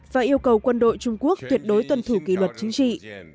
và yêu cầu quân đội trung quốc tuyệt đối tuân thủ kỷ luật chính trị